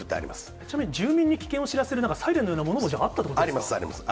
ちなみに、住民に危険を知らせるサイレンのようなものがあったということであります、あります。